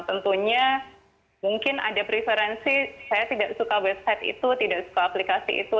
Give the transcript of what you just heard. tentunya mungkin ada preferensi saya tidak suka website itu tidak suka aplikasi itu